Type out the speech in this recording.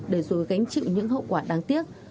đánh chịu những hậu quả đáng tiếc